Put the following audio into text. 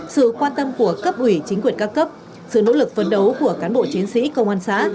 sự quan tâm của cấp ủy chính quyền các cấp sự nỗ lực phấn đấu của cán bộ chiến sĩ công an xã